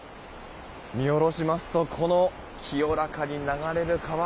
見下ろしますと清らかに流れる川。